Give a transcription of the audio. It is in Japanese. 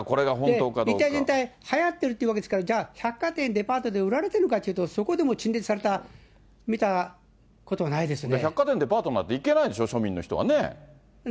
一体全体、はやってるっていうわけですから、じゃあ、百貨店、デパートで売られているかっていうと、そこでも陳列されたの見た百貨店、デパートなんて行けないでしょ、庶民の人はね。